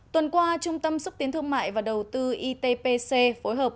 tuần qua trung tâm xúc tiến thương mại và đầu tư itpc phối hợp